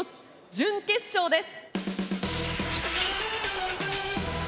準決勝です。